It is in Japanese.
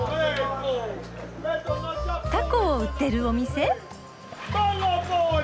タコを売ってるお店？